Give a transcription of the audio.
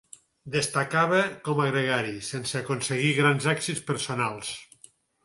Destacava com a gregari, sense aconseguir grans èxits personals.